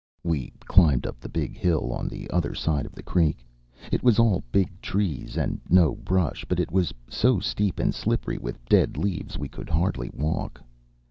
We climbed up the big hill on the other side of the creek. It was all big trees, and no brush, but it was so steep and slippery with dead leaves we could hardly walk.